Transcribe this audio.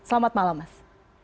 selamat malam mas